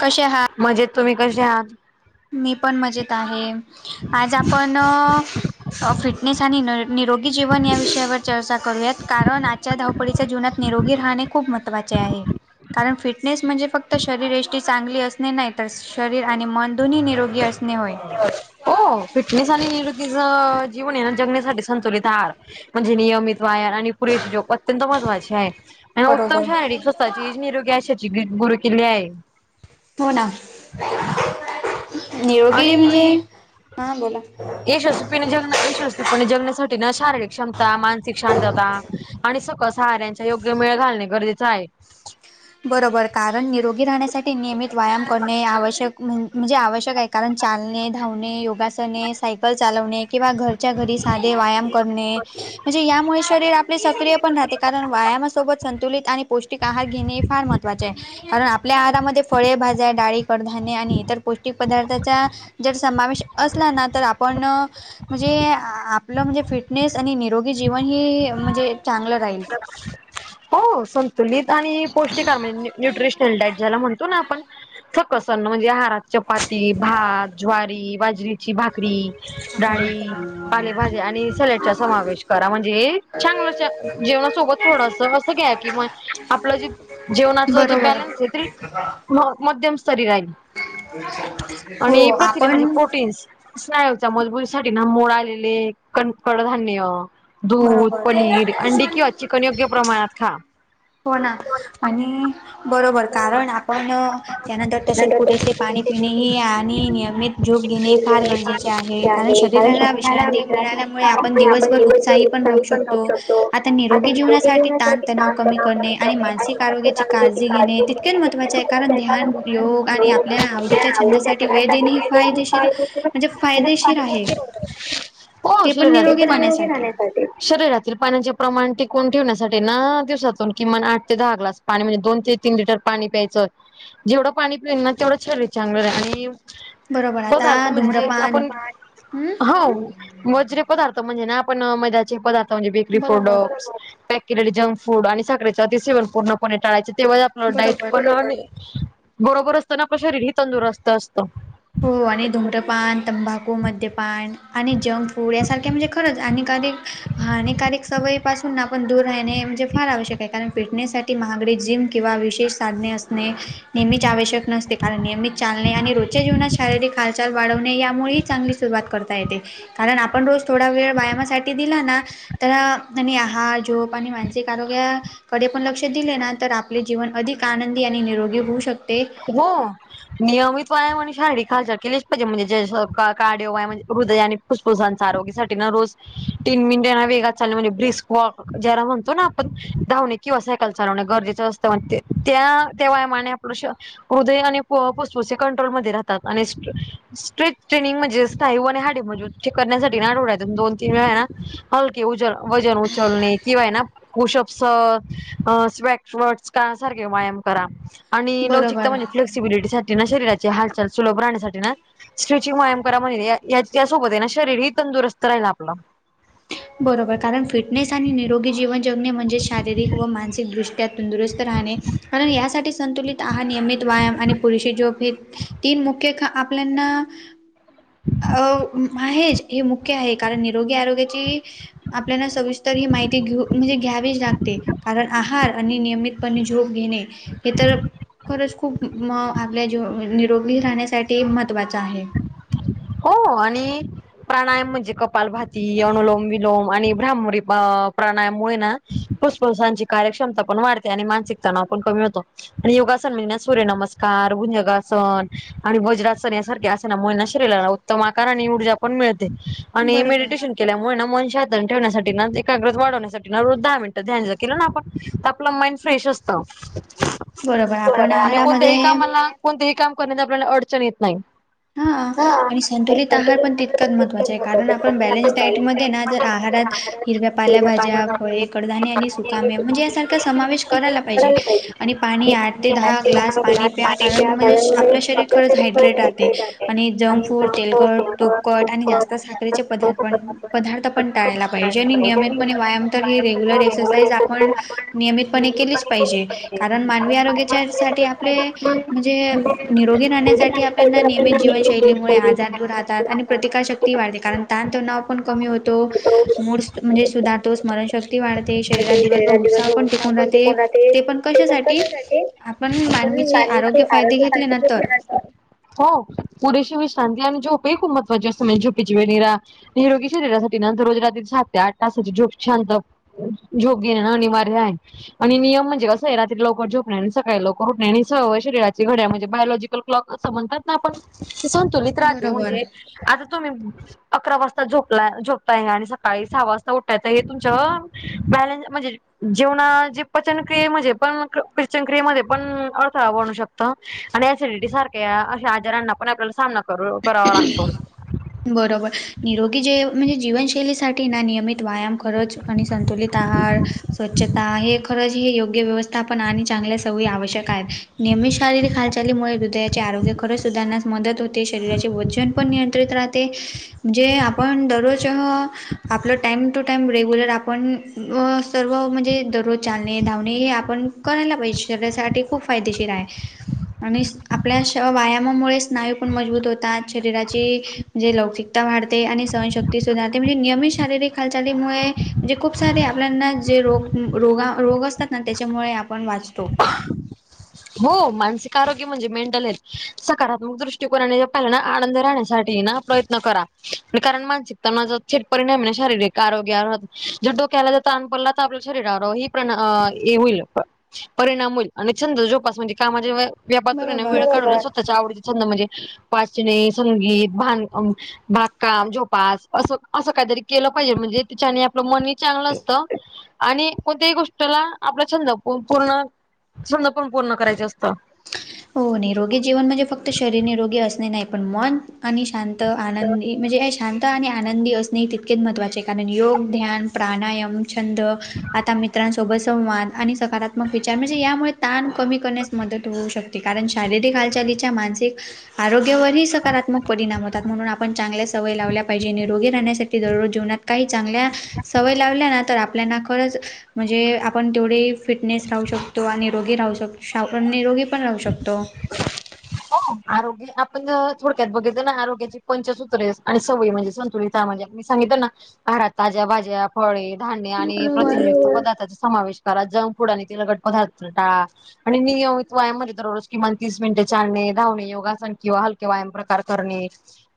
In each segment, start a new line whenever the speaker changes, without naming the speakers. कशे? आहात.
म्हजेत तुम्ही कशा? आहात.
मी पण मजेत आहे आज आपण फिटनेस आणि निरोगी- जीवन या विषयावर चर्चा करूया कारण आचानक धावपळीच्या जीवनात निरोगी राहणे खूप महत्वाचे आहे. कारण फिटनेस म्हणजे फक्त शरीरयष्टी चांगली असणे नाही तर शरीर आणि मन- दोन्ही निरोगी असणे होय.
हो फिटनेस आणि निरोगीच जीवन आहे ना जगण्यासाठी संतुलित आहार. म्हणजे नियमित व्यायाम आणि पुरेशी झोप अत्यंत महत्वाचे आहे आणि उत्तम
बरोबर.
शारीरिक स् ची ह निरोगी अशाची गुरूकिली आहे.
हो ना निरोगी म्हणजे हा बोला.
यशस्वीणे जग यशस्वीपणे जगण्यासाठी न शारीरिक क्षमता मानसिक शांतता. आणि सकस आहाराच्या योग्य मेळ घालणे गरजेचं आहे.
बरोबर कारण निरोगी राहण्यासाठी नियमित व्यायाम करणे आवश्यक म्हणजे आवश्यक आहे. कारण चालणे, धावणे योग्य योगाासने, सायकल चालवणे, किंवा घरच्या घरी साधे व्यायाम करणे. म्हणजे यामुळे शरीर आपले सक्रिय पण राहते कारण व्यायामासोबत संतुलित आणि पौष्टिक आहार घेणे. महवाचे आहे कारण आपल्या आहारामध्ये फळे भाज्या डाळी. कडधान्ने आणि इतर पौष्टिक पदार्थाचा जर समावेश असला ना तर आपण. म्हणजे आपलं फिटनेस आणि निरोगी जीवन ह म्हणजे चांगलं राहील.
[unintelligible] पौष्टिक आहार म्हणजे न्यूट्रिशनल डाईट ज्याला म्हणतो ना आपण फक्त म्हणजे आहारात चपाती, भात, ज्वारी, बाजरीची भाकरी. डाळी, पालेभाज्या, आणि सलाडचा समावेश करा. म्हणजे चांगलं जेवणासोबत थोडंसं असं घ्या की मग आपलं जे जेवणाच जे
बरोबर
बॅलन्स आहे ते मध्यम स्तरी राहील.
हो
आणि प्रथिने म्हणजे
आपण
प्रोटीन्स. [unintelligible] मोड आलेले कडधान्य. दूध,
बरोबर
पनीर, अंडी, किंवा चिकन योग्य प्रमाणात खा.
हो ना आणि बरोबर कारण आपण त्यानंतर तसे पुरेसे पाणी
आहे
पिणेही आणि नियमित झोप घेणे फार गरजेचे आहे. कारण शरीराला विश्रांती मिळाल्यामुळे आपण दिवसभर उत्साही पण राहू शकतो. आता निरोगी जीवनासाठी ताण तणाव कमी करणे आणि मानसिक आरोग्याची काळजी- घेणे तीत अ महत्त्वाचे आहे कारण ध्यान, योग, आणि आपल्या आवडीच्या छंदासाठी वेळ देणे हे फायदेशीर म्हणजे फायदेशीर आहे
हो
ते पण
शरीरातील
निरोगी
पाण्याचे
राहण्यासाठी.
शरीरातील पाण्याचे प्रमाण टिकून ठेवण्यासाठी ना दिवसातून किमान आठ ते दहा ग्लास पाणी म्हणजे दोन ते तीन लिटर पाणी प्यायचं जेवढं पाणी पील ना तेवढं शरीर चांगलं आणि
बरोबर
पदार्थ
आता
म्हणजेे
धूम्रपान
आपण
हम्म
हो [unintelligible] वझरे पदार्थ म्हणजे ना मैद्याचे पदार्थ म्हणजे बेकरी
बरोबर
प्रॉडक्ट जंक फूड आणि साखरेच अति सेवन पूर्णपणे टाळायच आपलं डाईट
बरोबर.
पण बरोबर असताना आपलं शरीर ह तंदुरस्त असतं.
हो आणि धुम्रपान, तंबाखू, मद्यपान, आणि जंक फूड यासारख्या म्हणजे खरंच हानिकारक हानिकारक सवयीपासून आपण दूर राहणे. म्हणजे फार आवश्यक आहे. कारण फिटनेससाठी महागडी जिम- किंवा विशेष साधने असणे नेहमीच आवश्यक नसते. कारण नेहमीच चांगले आणि रोज- च्या जीवनात शारीरिक हालचाल वाढवणे यामुळेही चांगली सुरुवात करता येते कारण आपण थोडा वेळ व्यायामासाठी दिला ना. तर त्यांनी आहार, झोप, आणि मानसिक आरोग्य. कडे पण लक्ष दिले ना तर आपले जीवन अधिक आनंदी आणि निरोगी होऊ शकते.
तुला? नियमित व्यायाम आणि शारीरिक हालचाल केलीच पाहिजे म्हणे, कार्डियाक म्हने हृदय फुफुसांच्या आरोग्यासाठी ना रोज तीन मिनटांना वेगात चालने म्हणजे ब्रिस्क वॉक ज्याला म्हणतो ना आपण धावने किंवा सायकल चालवणे गरजेचं असतं म्हणे, त्या- त्या व्यायामाने आपलं श हृदय आणि फुफ्फुसे कंट्रोल मध्ये राहतात आणि स्ट्रेच ट्रेनिंग म्हणजे असत स्थायू आणि हाडे मजबुत करण्यासाठी ना आठवड्यातून दोन तीन वेळा हाय ना हलके वूजन - वजन उचलणे किंवा हाय ना पुशअप्स स्वॅग वर्क्स यासारखे व्यायाम करा आणि लवचि
बरोबर.
क्सिबिलिटीसाठी ना शरीराची हालचाल सुलभ राहण्यासाठी ना स्ट्रेचिंग व्यायाम करा म्हणे ते यासोबत आहे ना शरीरही तंदुरस्त राहिल आपलं.
बरोबर, कारण फिटनेस आणि निरोगी जीवन जगणे म्हणजे शारीरिक व मानसिकदृष्ट्या तंदुरस्त राहणे कारण यासाठी संतुलित आहार, नियमित व्यायाम, आणि पुरेशी झोप ही तीन मुख्य ख आपल्याना अ महेज हे मुख्य आहे, कारण निरोगी आरोग्याची आपल्याला सविस्तर ही माहिती घेऊ म्हणजे घ्यावीच लागते, कारण आहार, आणि नियमित पने झोप घेणे हे तर खरंच खूप म आपल्या जीव निरोगी राहण्यासाठी महत्त्वाचं आहे.
हो आणि प्राणायाम म्हणजे कपालभाती, अनुलोम विलोम आणि ब्राह्मरी प्राणायाममुळे ना फुफुसांची कार्यक्षमता पण वाढते, आणि मानसिक तणाव पण कमी होतो. आणि योगासन म्हणे ना सूर्य नमस्कार, गुनयगासन, आणि वज्रासन यासारख्या [unintelligible] उत्तम आकार आणि ऊर्जा पण मिळते आणि
बरोबर
मेडिटेशन केल्यामुळे ना मनशहातनं ठेवण्यासाठी ना, एकाग्रत वाढवण्यासाठी ना, रोज दहा मिनिटं ध्यान केलं ना आपण आपलं माइंड फ्रेश असतं,
बरोबर आपण
आणि कोणत्याही
आहारामध्ये
कामाला कोणतेही काम करण्यात आपल्याला अडचण येत नाही.
हां.
हा
आणि संतुलित आहार पण तितकाच महत्त्वाचा आहे, कारण आपण बॅलन्सड डाईट मध्ये ना जर आहारात हिरव्या पालेभाज्या, फळे, कडधान्य आणि सुकामेवा, म्हणजे यासारखा समावेश कराला पाहिजे आणि पाणी आठ ते दहा ग्लास पाणी प्या, कारण म्हणजे आपलं शरीर खरंच हायड्रेट आहे ते, आणि जंक फूड, तेलकट, तूपकट, आणि जास्त साखरेचे पदार्थ पण पदार्थ पण टाळायला पाहिजे, आणि नियमितपणे व्यायाम तर ही रेग्युलर एक्सरसाइज आपण नियमितपणे केलीच पाहिजे, कारण मानवी आरोग्याच्या साठी आपले म्हणजे निरोगी राहण्यासाठी आपल्याना नियमित जीवन शैलीमुळे आजार दूर राहतात, आणि प्रतिकारशक्ती वाढते, कारण ताण तणाव पण कमी होतो, मूड म्हणजे सुधातो, स्मरणशक्ती वाढते, शरीरात दिवसभर उत्साह पण टिकून राहते, ते पण कशासाठी आपण मानवीचे आरोग्य फायदे घेतले ना तर.
हो पुरेशि विश्रांती, आणि झोपे ही खुप महत्वाची असते, म्हणजे झोपिचि वेळ नाही रा निरोगी शरीरासाठी ना दररोज रात्री सात ते आठ तासाची झोप शांत झोप घेणं अनिवार्य आहे. आणि नियम म्हणजे कसं आहे रात्री लवकर झोपणे, आणि सकाळी लवकर उठणे, आणि सर्व शरीराची घड्या म्हणजे बायोलॉजी क्लॉक असं म्हणतात ना आपण ते संतुलित राहते
बरोबर
म्हणजे आता तुम्ही अकरा वाजता झोपला झोपताय आणि सकाळी सहा वाजता उठायचं, हे तुमच बॅलन्स म्हणजे जेवणा जे पचनक्रियेमध्ये पण पचनक्रियेमध्ये पण अडथळा बनू शकतो. ता आणि एसिडिटी सारख्या अशा आजारांना पण आपल्याला सामना करू करावा लागतो.
बरोबर निरोगी जेव म्हणजे जीवनशैलीसाठी ना नियमित व्यायाम खरंच आणि संतुलित आहार स्वच्छता हे खरंच हे योग्य व्यवस्थापन आणि चांगल्या सवयी आवश्यक आहेत. नियमीत शारीरिक हालचालीमुळे हृदयाचे आरोग्य खरच सुधारण्यास मदत हो ते शरीराचे वजन पण नियंत्रित राहते म्हणजे आपण दररोज ह आपलं टाइम टू टाइम रेग्युलर आपण व सर्व म्हणजे दररोज चालणे धावणे हे आपण कोणाला पय शरीरासाठी खूप फायदेशीर आहे. आणि स आपल्या श व्यायामामुळे स्नायू पण मजबूत होतात शरीराचे म्हणजे लौचिकता वाढते आणि सहनशक्ती सुधारते म्हणजे नियमित शारीरिक हालचालीमुळे जे खूप सारे आपल्यांना जे रोग रोगा रोग असतात ना त्याच्यामुळे आपण वाचतो. हं
हो मानसिक आरोग्य म्हणजे मेंटल हेल्थ सकारात्मक दृष्टकोनाने हे पाहिलं ना आनंद राहण्यासाठी हे ना प्रयत्न करा कारण मानसिकता थेट परिणाम शारीरिक आरोग्यावर जर डोक्याला जर ताण पडला तर आपल्या शरीरावर ही प्रण ए होईल परिणाम होईल आणि छंद जोपास म्हणजे कामाजे व्य व्यापचन वेळ
बरोबर
काढून स्वतःच्या आवडीचे छंद म्हणजे वाचणे, संगीत, भान अम भागकाम झोपास असं असं काहीतरी केलं पाहिजे म्हणजे त्यािच्याने आपलं मनही चांगलं असतं आणि कोणत्याही गोष्टला आपला छंद पु पूर्ण छंद पण पूर्ण करायच असतं.
हो निरोगी जीवन म्हणजे फक्त शरीर निरोगी असणे नाही पण मन आणि शांत आनंदी म्हणजे ऐ शांत आणि आनंदी असणे तितकेच महत्वाचे आहे कारण योग, ध्यान, प्राणायाम छंद आता मित्रांसोबत संवाद आणि सकारात्मक विचार म्हणजे यामुळे ताण कमी करण्यास मदत होऊ शकते. कारण शारीरिक हालचालीच्या मानसिक आरोग्यावरही सकारात्मक परिणाम होतात म्हणून आपण चांगल्या सवय लावल्या पाहिजे निरोगी राहण्यासाठी दररोज जीवनात काही चांगल्या सवय लावल्या ना तर आप पल्याना खरंच म्हणजे आपण तेवढे फिटनेस राहू शकतो आणि निरोगी राहू शक शाव पण निरोगी पण राहू शकतो.
आरोग्य आपण जर थोडक्यात बघितला ना आरोग्याचे पंचसूत्रे आणि सवय म्हणजे संतुलित ता म्हणजे मी सांगित ना आहारात ताज्या भाज्या फळे धान्य आणि प्रतिनिधित्व पदार्थाचा समावेश करा जंक फूड आणि तेलकट पदार्थ [unintelligible] आणि नियमित व्यायाम मधी दररोज किमान तीस मिनटे चालणे, धावणे, योगासन किंवा हलके व्यायाम प्रकार करणे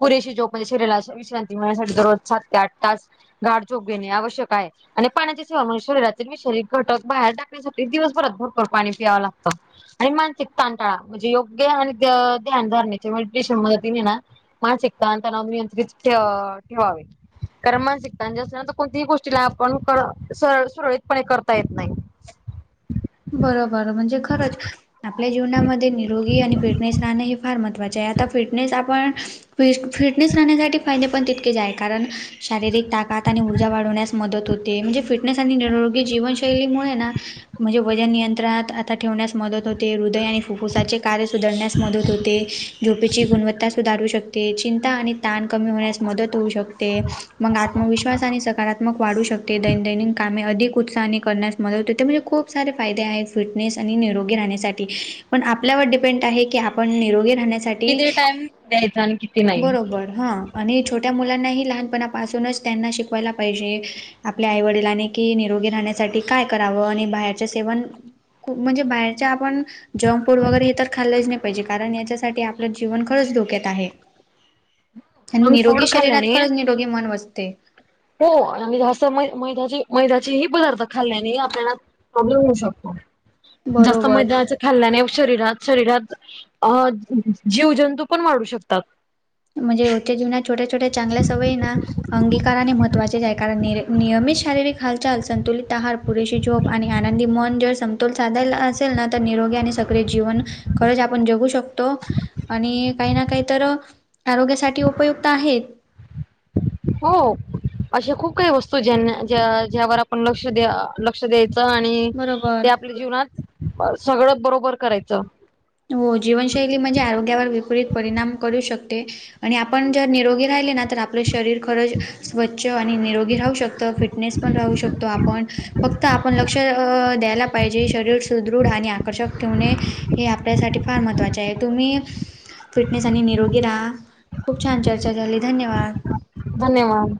पुरेशी जोप म्हणजे शरीराला विश्रांती मिळण्यासाठी दररोज सात ते आठ तास गाड चोक घेणे आवश्यक आहे. आणि पाण्याची सिवा म्हणजे शरीरातील विषयिक घटक बाहेर टाकण्यासाठी दिवसभरात भरपूर पाणी पिवं लागतं. आणि मानसिक तांतळा म्हणजे योग्य आणि द्य ध्यान धरण्याच्या मेडिटशन मदतीने ना मानसिकता आणि तनाव नियंत्रित ठेवा ठेवावे. कारण मानसिक तंज असल्यानं कोणतीही गोष्टीला आपण करळ सरळ सुरळीतपणे करता येत नाही.
बरोबर म्हणजे खरंच आपल्या जीवनामध्ये निरोगी आणि फिटनेस राहणे हे फार महत्त्वाचे आहे आता फिटनेस आपण फिस फिटनेस राहण्यासाठी फायदे पण तेक केज आहे शारीरिक ताकात आणि ऊर्जा वाढवण्यास मदत होते म्हणजे फिटनेस आणि निरोगी जीवन शैलीमुळे म्हणजे वजन नियंत्रणात आता ठेवण्यास मदत होते हृदय आणि फुफ्फाचे कार्य सुधारण्यास मदत होते झोपेची गुणवत्ता सुधारू शकते चिंता आणि ताण कमी होण्यास मदत होऊ शकते मंग आत्मविश्वास आणि सकारात्मक वाढू शक ते दैनदैनी कामे अधिक उत्साहाने करण्यास मदत होते. म्हणजे खूप खूप सारे फायदे आहेत फिटनेस आणि निरोगी राहण्यासाठी, पण आपल्यावर डिपेंड आहे की आपण निरोगी राहण्यास
किती टाइम द्यायचा आणि किती नाही?
हा, आणि छोट्या मुलांनाही लहानपणापासूनच, त्यांना शिकवायला पाहिजे आपल्या आई वडिलांनी की निरोगी राहण्यासाठी काय करावं? आणि बाहेर सेवण, खूप म्हणजे काय बाहेरचा आपण जंगफुड वगैरे हे तर खाल्लच नाही पाहीजे, कारण याच्यासाठी आपलं जीवन खरंच धोक्यात आहे. आणि
पण फूड
निरोगी शरीरात,
खाल्ल्याने
खरंच निरोगी मन वसते.
हो आणि जास्त मै -मैदायाची मैदायाचेही पदार्थ खाल्ल्याने आपल्याला प्रॉब्लम होऊ शकतो, जास्त
बरोबर
मैद्याच खाल्ल्याने, शरीरात - शरीरात अ जीवजंतू पण वाढू शकतात.
म्हणजे रोजच्या जीवनात छोट्या - छोट्या चांगल्या सवयी ना अंगीकाराने महत्त्वाचे आहे. कारण नियमित शारीरिक हालचाल, संतुलित आहार पुरेशी झोप आणि आनंदी मन, जर समतोल साधायला असेल ना, तर निरोगी आणि सक्रिय जीवन खरंच आपण जगू शकतो आणि काही ना काही तर आरोग्यासाठी उपयुक्त आहे
हो अशा खूप काही वस्तू ज्यांना ज्या -ज्यावर आपण लक्ष द्या लक लक्ष द्यायचं आणि
बरोबर
ते आपल्या जीवनात, सगळं बरोबर करायचं.
हो, जीवनशैली म्हणजे आरोग्यावर विपरीत परिणाम करू शकते. आणि आपण जर निरोगी राहिले ना तर आपलं शरीर खरंच स्वच्छ आणि निरोगी राहू शकतं, फिटनेस पण राहू शकतो आपण फक्त आपण लक्ष अ द्यायला पाहिजे, शरीर सुदृढ आणि आकर्षक ठेवणे हे आपल्यासाठी फार महत्त्वाचे आहे, तुम्ही फिटनेस आणि निरोगी राहा, खूप छान चर्चा झाली, धन्यवाद.
धन्यवाद.